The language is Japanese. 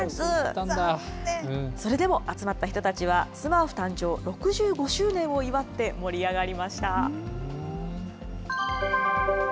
それでも集まった人たちは、スマーフ誕生６５周年を祝って盛り上がりました。